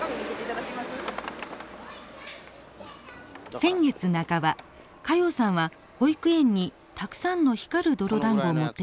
先月半ば加用さんは保育園にたくさんの光る泥だんごを持ってきました。